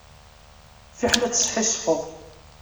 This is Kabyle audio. Fiḥel ad tesḥissfeḍ.